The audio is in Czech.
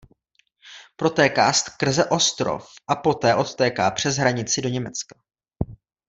Protéká skrze Ostrov a poté odtéká přes hranici do Německa.